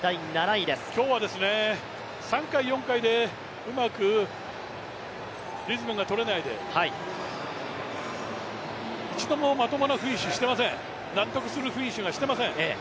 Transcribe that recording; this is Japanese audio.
今日は３、４回でうまくリズムが取れないで、一度もまともなフィニッシュしていません、納得するフィニッシュはしていません。